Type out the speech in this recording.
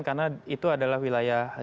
karena itu adalah wilayah yang tidak ada